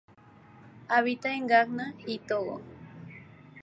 Habita en Ghana y Togo.